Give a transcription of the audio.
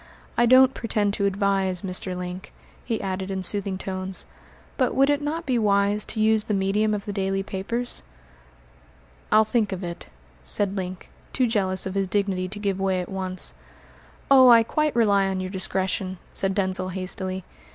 I don't pretend to advise, Mr. Link," he added in soothing tones, "but would it not be wise to use the medium of the daily papers?" "I'll think of it," said Link, too jealous of his dignity to give way at once. "Oh, I quite rely on your discretion," said Denzil hastily.